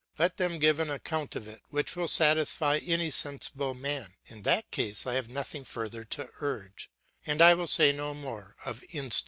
Let them give an account of it which will satisfy any sensible man; in that case I have nothing further to urge, and I will say no more of instinct.